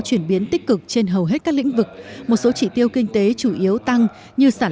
chuyển biến tích cực trên hầu hết các lĩnh vực một số chỉ tiêu kinh tế chủ yếu tăng như sản